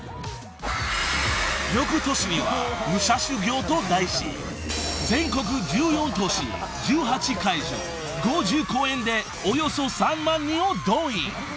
［よくとしには「武者修行」と題し全国１４都市１８会場５０公演でおよそ３万人を動員］